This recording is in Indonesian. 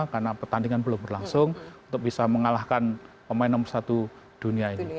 karena pertandingan belum berlangsung untuk bisa mengalahkan pemain nomor satu dunia ini